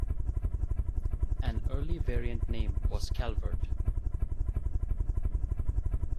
An early variant name was Calvert.